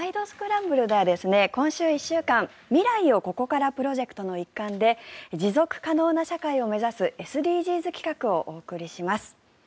スクランブル」では今週１週間未来をここからプロジェクトの一環で持続可能な社会を目指すＳＤＧｓ企画をお送りいたします。